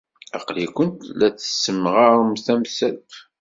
Aql-iken la tessemɣarem tamsalt.